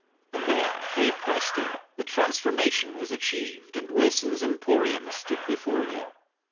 And there, hey presto! the transformation was achieved, and Wilson's Emporium stood before you.